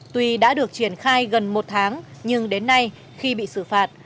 tuy đã được triển khai gần một tháng nhưng đến nay khi bị xử phạt